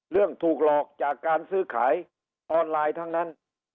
ถูกหลอกจากการซื้อขายออนไลน์ทั้งนั้น